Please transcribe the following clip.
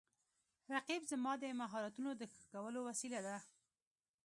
رقیب زما د مهارتونو د ښه کولو وسیله ده